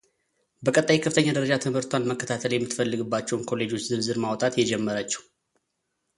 በቀጣይ የከፍተኛ ደረጃ ትምህርቷን መከታተል የምትፈልግባቸውን ኮሌጆች ዝርዝር ማውጣት የጀመረችው።